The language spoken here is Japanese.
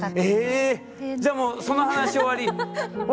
じゃもうその話終わり。